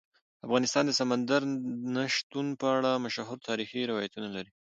افغانستان د سمندر نه شتون په اړه مشهور تاریخی روایتونه لري.